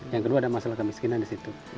yang kedua ada masalah kemiskinan di situ